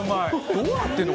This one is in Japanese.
どうなってるの？